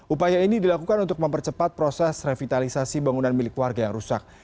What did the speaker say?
upaya ini dilakukan untuk mempercepat proses revitalisasi bangunan milik warga yang rusak